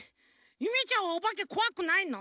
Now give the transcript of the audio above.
ゆめちゃんはおばけこわくないの？